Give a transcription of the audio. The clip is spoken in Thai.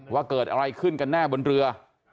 ว่าเกิดอะไรขึ้นกันแน่บนเรือ